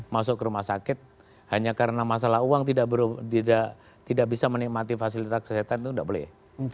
masuk ke rumah sakit hanya karena masalah uang tidak bisa menikmati fasilitas kesehatan itu tidak boleh